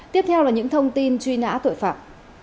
tiếp theo là những thông tin truy nã tội phạm